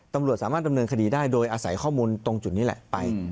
ตำรวจสามารถดำเนินคดีได้โดยอาศัยข้อมูลตรงจุดนี้แหละไป